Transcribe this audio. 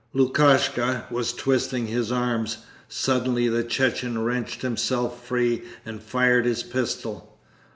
Lukashka was twisting his arms. Suddenly the Chechen wrenched himself free and fired his pistol.